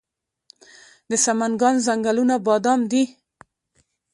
د سمنګان ځنګلونه بادام دي